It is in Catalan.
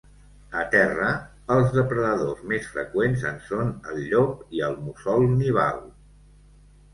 A terra, els depredadors més freqüents en són el llop i el mussol nival.